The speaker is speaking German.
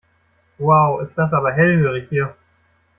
Wow, ist das aber hellhörig hier.